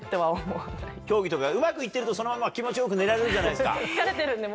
競技とかうまくいってるとそのまま気持ち良く寝られるじゃないですか。